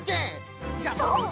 そう！